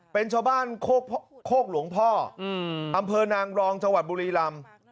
เป็นชาวบ้านโคกหลวงพ่ออำเภอนางรองจังหวัดบุรีรำ